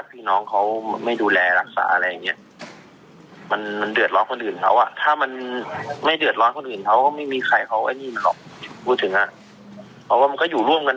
ใช่ใช่ป่ะควบคุมเหมือนกันควบคุมเหมือนกัน